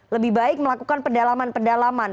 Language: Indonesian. lebih baik melakukan pendalaman pendalaman